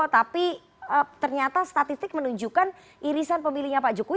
tapi ternyata statistik menunjukkan irisan pemilihnya pak jokowi